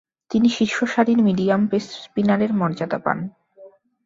তিনি শীর্ষসারির medium pace স্পিনারের মর্যাদা পান।